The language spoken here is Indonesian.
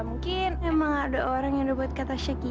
mungkin emang ada orang yang udah buat katasnya gila